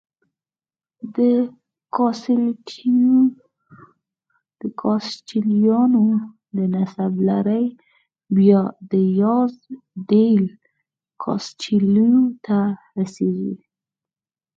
د کاسټیلویانو د نسب لړۍ بیا دیاز ډیل کاسټیلو ته رسېږي.